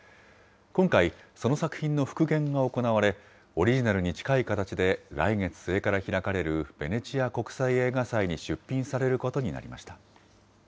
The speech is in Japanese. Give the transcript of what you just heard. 今回、その作品の復元が行われ、オリジナルに近い形で来月末から開かれるベネチア国際映画祭に出品されることになりました。